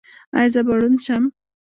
ایا زه به ړوند شم؟